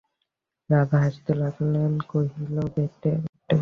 রাজা হাসিতে লাগিলেন, কহিলেন, বটে!